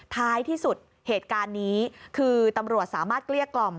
ท้ายที่สุดเหตุการณ์นี้คือตำรวจสามารถเกลี้ยกล่อม